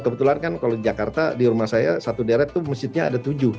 kebetulan kan kalau di jakarta di rumah saya satu deret itu masjidnya ada tujuh